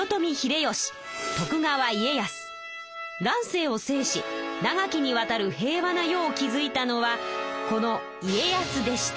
乱世を制し長きにわたる平和な世を築いたのはこの家康でした。